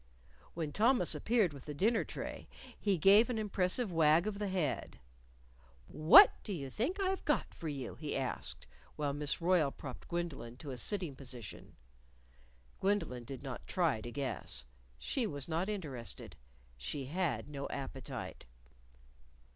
When Thomas appeared with the dinner tray, he gave an impressive wag of the head. "What do you think I've got for you?" he asked while Miss Royle propped Gwendolyn to a sitting position. Gwendolyn did not try to guess. She was not interested. She had no appetite.